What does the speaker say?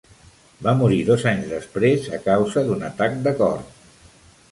Va morir dos anys després a causa d'un atac de cor.